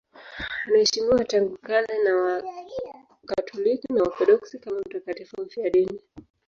Anaheshimiwa tangu kale na Wakatoliki na Waorthodoksi kama mtakatifu mfiadini.